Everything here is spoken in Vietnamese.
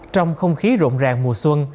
trong không khí rộn ràng mùa xuân